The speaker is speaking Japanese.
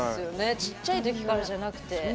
ちっちゃいときからじゃなくて。